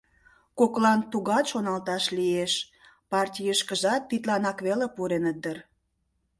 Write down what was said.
Коклан тугат шоналташ лиеш: партийышкыжат тидланак веле пуреныт дыр.